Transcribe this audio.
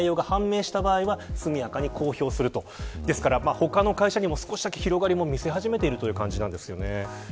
他の会社にも少しだけ広がりを見せているという感じですね。